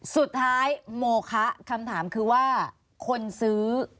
โมคะคำถามคือว่าคนซื้อ